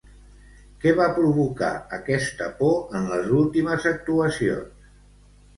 Què va provocar aquesta por en les últimes actuacions?